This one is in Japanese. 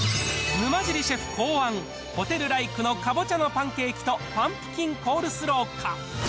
沼尻シェフ考案、ホテルライクのかぼちゃのパンケーキとパンプキンコールスローか。